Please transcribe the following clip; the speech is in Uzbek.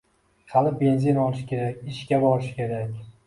Hali benzin olish kerak, ishga borish kerak.